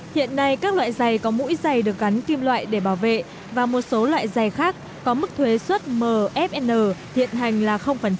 hiện nay các loại giày có mũi giày được gắn kim loại để bảo vệ và một số loại giày khác có mức thuế xuất mfn hiện hành là